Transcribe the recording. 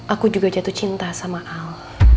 aku juga jatuh cinta sama al